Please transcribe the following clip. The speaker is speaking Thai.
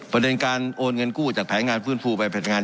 ประเด็นการโอนเงินกู้จากแผนงานฟื้นฟูไปแผนงาน